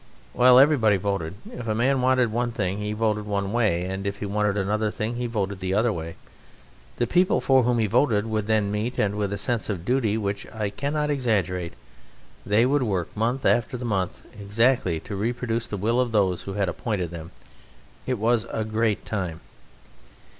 Well, everybody voted. If a man wanted one thing he voted one way, and if he wanted another thing he voted the other way. The people for whom he voted would then meet, and with a sense of duty which I cannot exaggerate they would work month after month exactly to reproduce the will of those who had appointed them. It was a great time!"